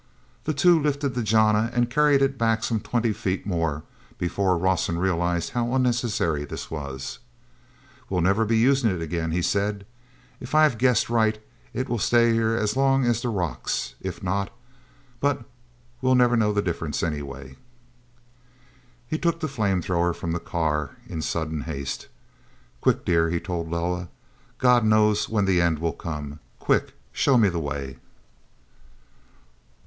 The two lifted the jana and carried it back some twenty feet more before Rawson realized how unnecessary this was. "We'll never be using it again," he said. "If I've guessed right it will stay here as long as the rocks; if not—but we'll never know the difference anyway." He took the flame thrower from the car in sudden haste. "Quick, dear," he told Loah. "God knows when the end will come. Quick, show me the way."